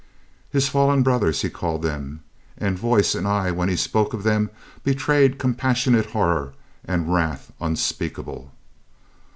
"His fallen brothers" he called them, and voice and eye when he spoke of them betrayed compassionate horror and wrath unspeakable.